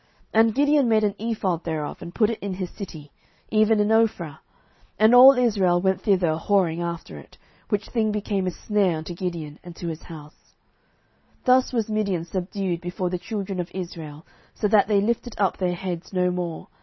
07:008:027 And Gideon made an ephod thereof, and put it in his city, even in Ophrah: and all Israel went thither a whoring after it: which thing became a snare unto Gideon, and to his house. 07:008:028 Thus was Midian subdued before the children of Israel, so that they lifted up their heads no more.